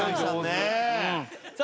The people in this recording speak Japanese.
さあ